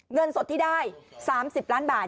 เงินสดที่ได้๓๐ล้านบาท